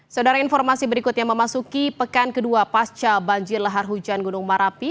saudara informasi berikutnya memasuki pekan kedua pasca banjir lahar hujan gunung merapi